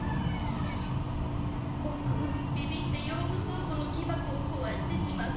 ボクビビって用具倉庫の木箱をこわしてしまって。